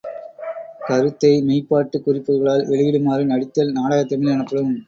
கருத்தை மெய்ப்பாட்டுக் குறிப்புகளால் வெளியிடுமாறு நடித்தல் நாடகத்தமிழ் எனப்படும்.